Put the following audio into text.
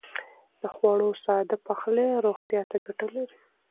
د خوړو ساده پخلی روغتيا ته ګټه لري.